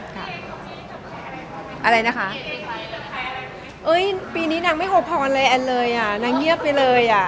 อะไรนะคะเอ้ยปีนี้นางไม่โอพรอะไรแอนเลยอ่ะนางเงียบไปเลยอ่ะ